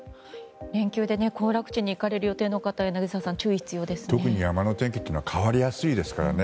連休で行楽地に行かれる予定の方は特に山の天気は変わりやすいですからね